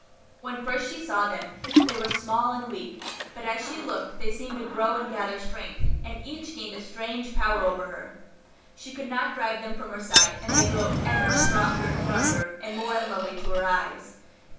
When first she saw them, they were small and weak; but as she looked they seemed to grow and gather strength, and each gained a strange power over her. She could not drive them from her sight, and they grew ever stronger, darker, and more unlovely to her eyes.